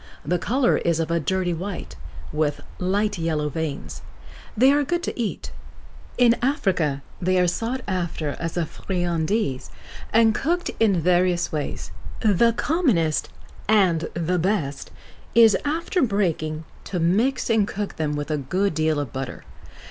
The colour is of a dirty white, with light yellow veins; they are good to eat. In Africa they are sought after as a friandise, and cooked in various ways. The commonest and the best is, after breaking, to mix and cook them with a good deal of butter.